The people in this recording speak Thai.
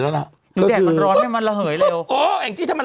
โทษทีน้องโทษทีน้อง